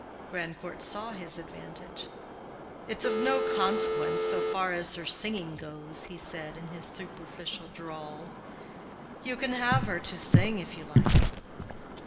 Grandcourt saw his advantage. "It's of no consequence so far as her singing goes," he said, in his superficial drawl. "You can have her to sing, if you like."